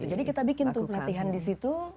betul jadi kita bikin tuh latihan di situ